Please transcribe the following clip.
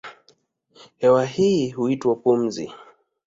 Hewa hii huitwa pumzi.